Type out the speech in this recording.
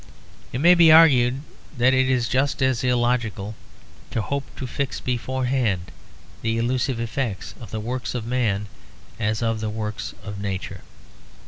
It may be argued that it is just as illogical to hope to fix beforehand the elusive effects of the works of man as of the works of nature.